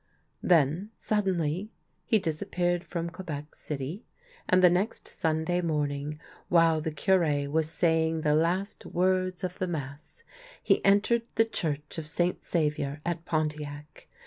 Then, suddenly, he disappeared from Quebec City, and the next Sunday morning, while the Cure was saying the last words of the Mass, he entered the Church of St. Saviour at Pontiac.